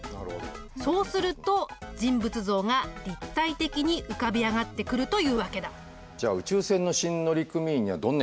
そうすると人物像が立体的に浮かび上がってくるというわけだ。